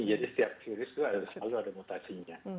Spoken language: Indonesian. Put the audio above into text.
jadi setiap virus itu selalu ada mutasinya